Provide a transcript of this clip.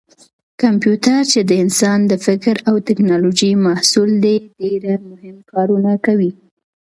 کمپیوټر چې د انسان د فکر او ټېکنالوجۍ محصول دی ډېر مهم کارونه کوي.